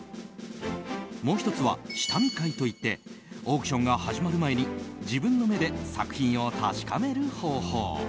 もう１つは下見会といってオークションが始まる前に自分の目で作品を確かめる方法。